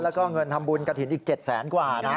แล้วก็เงินทำบุญกระถิ่นอีก๗แสนกว่านะ